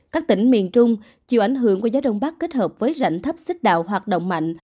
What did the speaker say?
các tỉnh miền trung chịu ảnh hưởng của gió đông bắc kết hợp với rãnh thấp xích đạo hoạt động mạnh